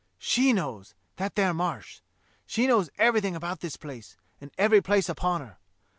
"She knows, that there Marsh. She knows everything about this place, and every place upon her.